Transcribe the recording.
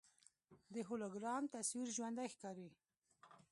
د هولوګرام تصویر ژوندی ښکاري.